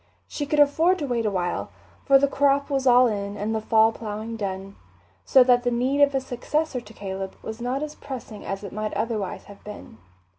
She could afford to wait a while, for the crop was all in and the fall ploughing done, so that the need of a successor to Caleb was not as pressing as it might otherwise have been.